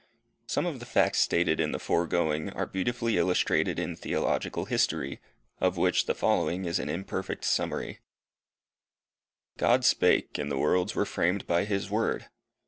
Some of the facts stated in the foregoing, are beautifully illustrated in Theological history, of which the following is an imperfect summary God spake, and the worlds were framed by His word.